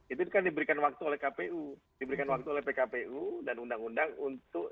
itu kan diberikan waktu oleh kpu diberikan waktu oleh pkpu dan undang undang untuk